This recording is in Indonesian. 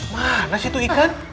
mana sih itu ikan